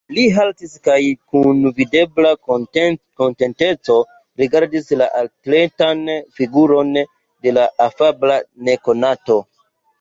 Li haltis kaj kun videbla kontenteco rigardis la atletan figuron de la afabla nekonato.